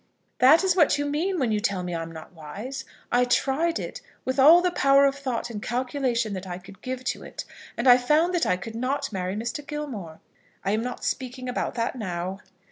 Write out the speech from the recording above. "That is what you mean when you tell me I am not wise. I tried it, with all the power of thought and calculation that I could give to it, and I found that I could not marry Mr. Gilmore." "I am not speaking about that now."